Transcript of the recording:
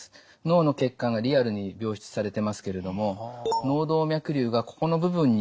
脳の血管がリアルに描出されていますけれども脳動脈瘤がここの部分にできています。